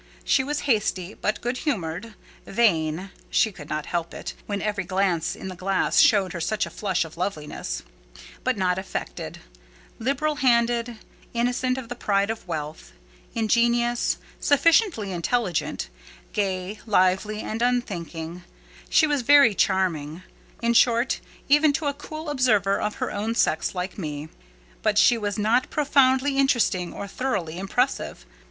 She was hasty, but good humoured; vain (she could not help it, when every glance in the glass showed her such a flush of loveliness), but not affected; liberal handed; innocent of the pride of wealth; ingenuous; sufficiently intelligent; gay, lively, and unthinking: she was very charming, in short, even to a cool observer of her own sex like me; but she was not profoundly interesting or thoroughly impressive.